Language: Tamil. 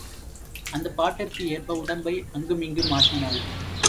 அந்த பாட்டிற்கு ஏற்ப உடம்பை அங்கு மிங்கும் ஆட்டினாள்.